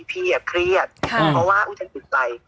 พี่คิดละ